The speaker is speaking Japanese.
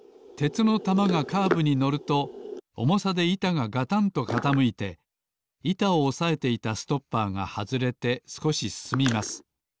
鉄の玉がカーブにのるとおもさでいたががたんとかたむいていたをおさえていたストッパーがはずれてすこしすすみます。